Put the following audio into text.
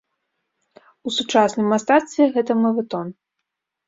У сучасным мастацтве гэта мавэтон.